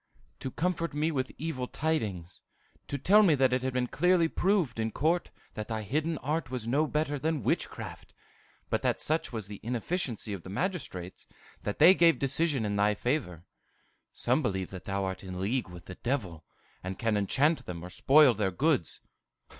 "To comfort me with evil tidings; to tell me that it had been clearly proved in court that thy hidden art was no better than witchcraft, but that such was the inefficiency of the magistrates that they gave decision in thy favor. Some believe that thou art in league with the devil, and can enchant them or spoil their goods."